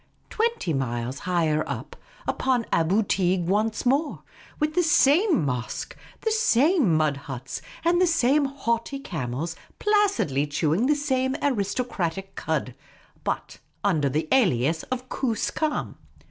twenty miles higher up, upon Aboo Teeg once more, with the same mosque, the same mud huts, and the same haughty camels, placidly chewing the same aristo cratic cud, but under the alias of Koos kam.